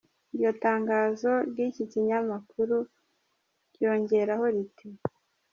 Iryo tangazo ry'iki kinyamakuru ryongeraho riti:.